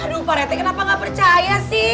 aduh pak retek kenapa gak percaya sih